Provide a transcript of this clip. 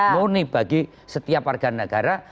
murni bagi setiap warga negara